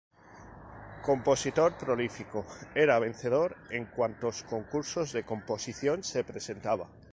Compositor prolífico, era vencedor en cuantos concursos de composición se presentaba.